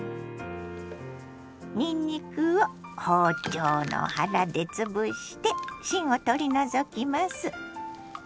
にんにくを包丁の腹で潰して芯を取り除きます。